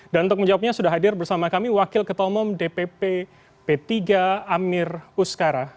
dan untuk menjawabnya sudah hadir bersama kami wakil ketolmom dpp p tiga amir uskara